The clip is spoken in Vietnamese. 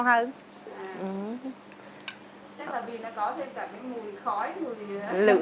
chắc là vì nó có thêm cả cái mùi khói mùi lửa